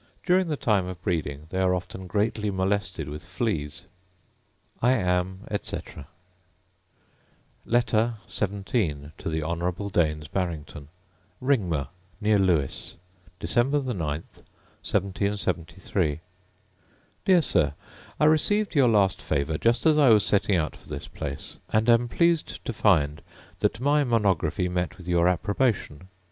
During the time of breeding they are often greatly molested with fleas. I am, etc. Letter XVII To The Honourable Daines Barrington Ringmer, near Lewes, Dec. 9, 1773. Dear Sir, I received your last favour just as I was setting out for this place; and am pleased to find that my monography met with your approbation.